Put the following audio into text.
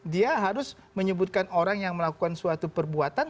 dia harus menyebutkan orang yang melakukan suatu perbuatan